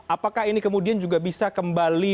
apakah ini kemudian juga bisa kembali